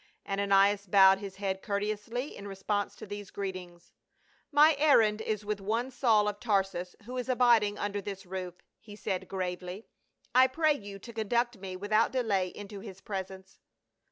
Ananias bowed his head courteously in response to these greetings. " My errand is with one Saul of Tar sus, who is abiding under this roof," he said gravely. " I pray you to conduct me without delay into his presence."